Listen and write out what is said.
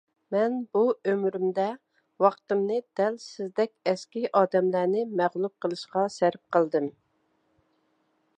مەن بۇ ئۆمرۈمدە، ۋاقتىمنى دەل سىزدەك ئەسكى ئادەملەرنى مەغلۇپ قىلىشقا سەرپ قىلدىم.